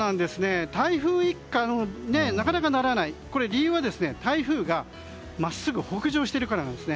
台風一過になかなかならない理由は、台風が真っすぐ北上しているからなんです。